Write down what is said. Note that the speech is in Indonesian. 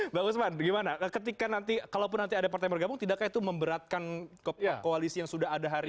mbak usman gimana ketika nanti kalaupun nanti ada partai yang bergabung tidakkah itu memberatkan koalisi yang sudah ada hari ini